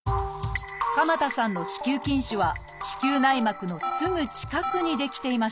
鎌田さんの子宮筋腫は子宮内膜のすぐ近くに出来ていました。